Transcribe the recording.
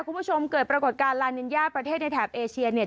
คุณผู้ชมเกิดปรากฏการณ์ลานิญญาประเทศในแถบเอเชียเนี่ย